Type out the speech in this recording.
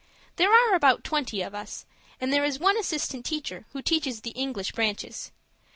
There are about twenty of us, and there is one assistant teacher who teaches the English branches.